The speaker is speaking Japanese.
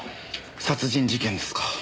殺人事件ですか。